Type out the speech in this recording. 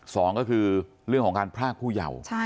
สองก็คือเรื่องของการพรากผู้เยาว์